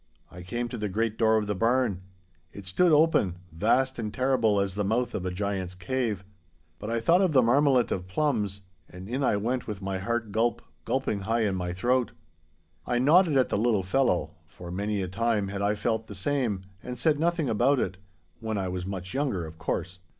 I came to the great door of the barn. It stood open, vast and terrible as the mouth of a giant's cave. But I thought of the marmalit of plums, and in I went with my heart gulp—gulping high in my throat.' I nodded at the little fellow, for many a time had I felt the same, and said nothing about it—when I was much younger, of course.